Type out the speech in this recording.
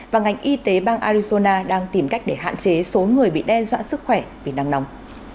và ngành y tế bang arizona đang tìm cách để hạn chế số người bị đe dọa sức khỏe vì năng nóng